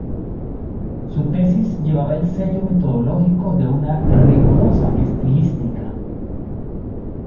Su tesis llevaba el sello metodológico de una rigurosa Estilística.